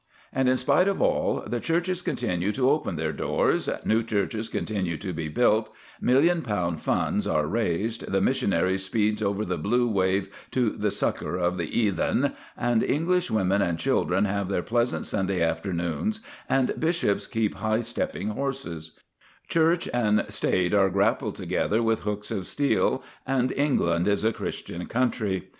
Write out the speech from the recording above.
And, in spite of all, the churches continue to open their doors, new churches continue to be built, million pound funds are raised, the missionary speeds over the blue wave to the succour of the 'eathen, and English women and children have their pleasant Sunday afternoons, and bishops keep high stepping horses; Church and State are grappled together with hooks of steel, and England is a Christian country.